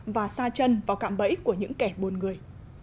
và xa chân vào cạm bẫy của những kẻ buồn người